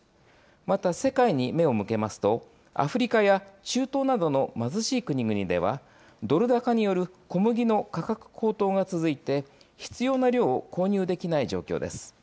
また世界に目を向けますと、アフリカや中東などの貧しい国々では、ドル高による小麦の価格高騰が続いて、必要な量を購入できない状況です。